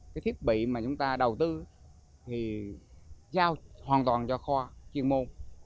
cái thiết bị mà chúng ta đầu tư thì giao hoàn toàn cho kho chuyên môn